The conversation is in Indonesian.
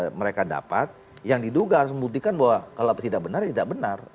yang mereka dapat yang diduga harus membuktikan bahwa kalau tidak benar ya tidak benar